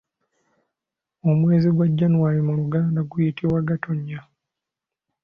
Omwezi gwa January mu luganda guyitibwa Gatonya.